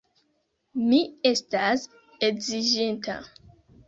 Mi estas edziĝinta.